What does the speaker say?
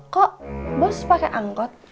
kok bos pakai angkot